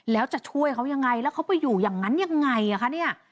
แล้วจะช่วยเขายังไงแล้วเขาไปอยู่อย่างนั้นยังไง